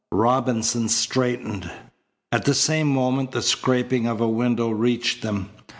Robinson straightened. At the same moment the scraping of a window reached them.